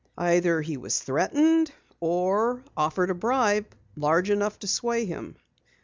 Either he was threatened or offered a bribe which was large enough to sway him."